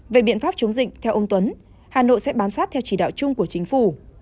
về biện pháp chống dịch theo ông tuấn hà nội sẽ bám sát theo chỉ đạo chung của chính phủ